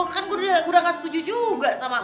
kan gue udah gak setuju juga sama lo